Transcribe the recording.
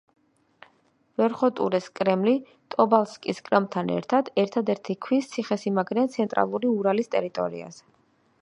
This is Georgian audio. ვერხოტურეს კრემლი ტობოლსკის კრემლთან ერთად ერთადერთი ქვის ციხესიმაგრეა ცენტრალური ურალის ტერიტორიაზე.